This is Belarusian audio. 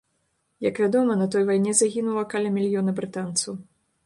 Як вядома, на той вайне загінула каля мільёна брытанцаў.